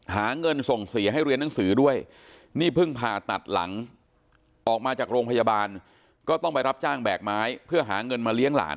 หาเงินส่งเสียให้เรียนหนังสือด้วยนี่เพิ่งผ่าตัดหลังออกมาจากโรงพยาบาลก็ต้องไปรับจ้างแบกไม้เพื่อหาเงินมาเลี้ยงหลาน